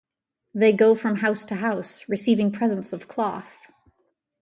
They go from house to house, receiving presents of cloth.